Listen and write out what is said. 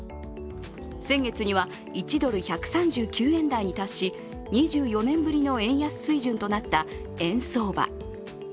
先月には１ドル＝１３９円台に達し２４年ぶりの円安水準となった円相場。